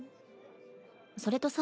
それとさ。